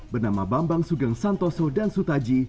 bernama bambang sugeng santoso dan sutaji